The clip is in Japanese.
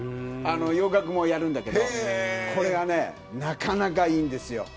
洋楽もやるんだけどこれが、なかなかいいんです。